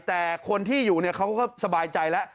แต่คนที่อยู่เนี่ยเขาก็สบายใจแล้ว